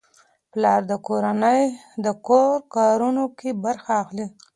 پلار د کور کارونو کې برخه اخلي.